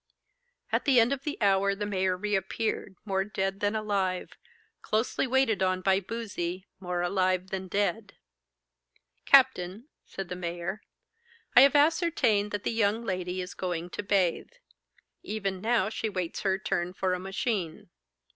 At the end of the hour the mayor re appeared more dead than alive, closely waited on by Boozey more alive than dead. 'Captain,' said the mayor, 'I have ascertained that the young lady is going to bathe. Even now she waits her turn for a machine.